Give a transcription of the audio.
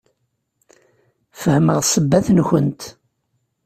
Fehmeɣ ssebbat-nkent.